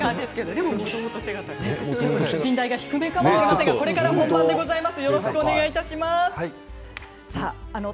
キッチン台が低めかもしれませんがこれから本番でございます。